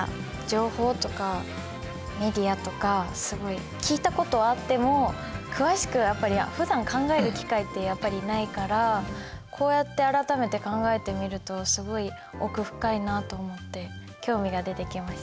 情報とかメディアとかすごい聞いたことはあっても詳しくはやっぱりふだん考える機会ってやっぱりないからこうやって改めて考えてみるとすごい奥深いなと思って興味が出てきました。